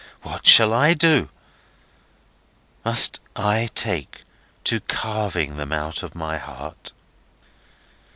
What shall I do? Must I take to carving them out of my heart?"